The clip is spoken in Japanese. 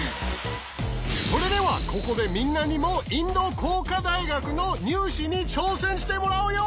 それではここでみんなにもインド工科大学の入試に挑戦してもらうよ！